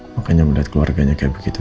makanya melihat keluarganya kayak begitu